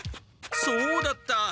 そうだった！